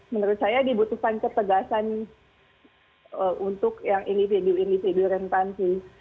menurut saya dibutuhkan ketegasan untuk yang individu individu rentan sih